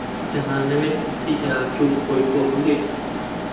دەمانەوێت هەفتەی داهاتوو بڕۆیت بۆ ھەولێر.